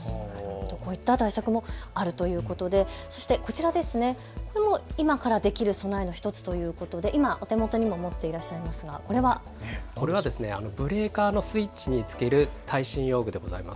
こういった対策もあるということで、そしてこちら、これも今からできる備えの１つということでお手元にも持っていらっしゃいますが、これは？これはブレーカーのスイッチにつける耐震用具です。